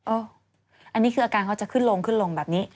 อันนี้คืออาการเขาจะขึ้นลงขึ้นลงแบบนี้